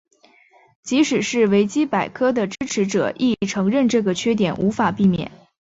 即使是维基百科的支持者亦承认这个缺点无法避免。